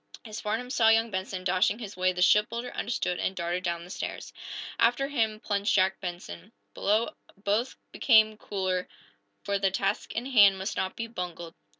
As Farnum saw young Benson dashing his way the shipbuilder understood and darted down the stairs. After him plunged Jack Benson. Below, both became cooler, for the task in hand must not be bungled.